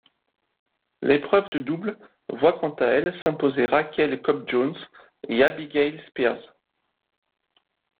L'épreuve de double voit quant à elle s'imposer Raquel Kops-Jones et Abigail Spears.